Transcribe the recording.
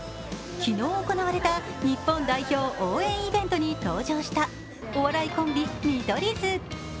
昨日行われた日本代表応援イベントに登場した登場したお笑いコンビ・見取り図。